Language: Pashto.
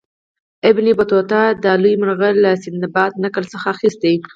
ابن بطوطه دا لوی مرغه له سندباد نکل څخه اخیستی.